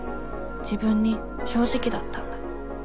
自分に正直だったんだ。